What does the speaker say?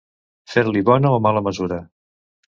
Fer-li bona o mala mesura.